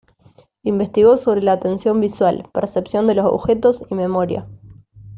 Investigó sobre la atención visual, percepción de los objetos, y memoria.